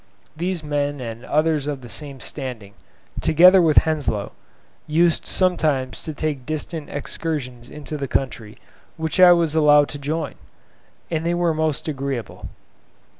These men and others of the same standing, together with Henslow, used sometimes to take distant excursions into the country, which I was allowed to join, and they were most agreeable.